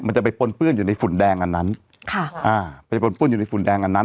มันจะไปป้นปื้นอยู่ในฝุ่นแดงอันนั้นไปป้นปื้นอยู่ในฝุ่นแดงอันนั้น